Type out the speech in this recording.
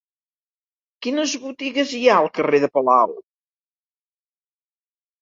Quines botigues hi ha al carrer de Palau?